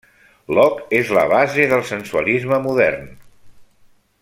Locke és la base del sensualisme modern.